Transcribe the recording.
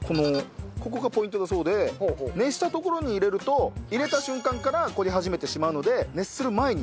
ここがポイントだそうで熱したところに入れると入れた瞬間から焦げ始めてしまうので熱する前に。